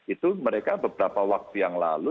itu mereka beberapa waktu yang lalu